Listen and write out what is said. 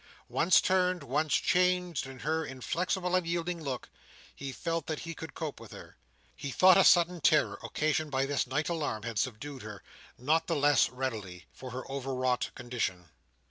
Once turned, once changed in her inflexible unyielding look, he felt that he could cope with her. He thought a sudden terror, occasioned by this night alarm, had subdued her; not the less readily, for her overwrought condition.